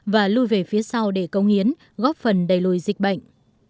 và lùi về phía sau để công hiến góp phần đẩy lùi dịch bệnh